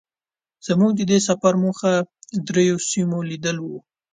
زمونږ د دې سفر موخه درېيو سیمو لیدل وو.